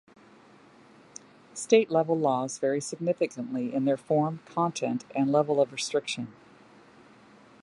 State level laws vary significantly in their form, content, and level of restriction.